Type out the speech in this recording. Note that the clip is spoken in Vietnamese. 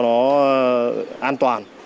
nó an toàn